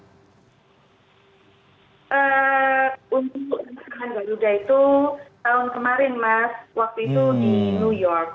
untuk tantangan garuda itu tahun kemarin mas waktu itu di new york